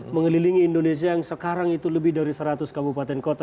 mengelilingi indonesia yang sekarang itu lebih dari seratus kabupaten kota